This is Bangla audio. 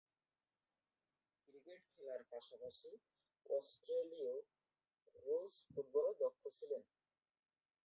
ক্রিকেট খেলার পাশাপাশি অস্ট্রেলীয় রুলস ফুটবলে দক্ষ ছিলেন।